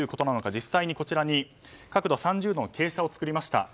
実際にこちらに角度３０度の傾斜を作りました。